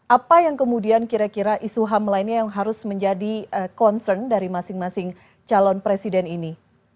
apa yang kemudian kira kira isu ham lainnya yang harus menjadi concern dari masing masing calon presiden ini